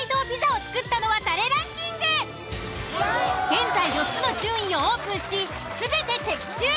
現在４つの順位をオープンし全て的中！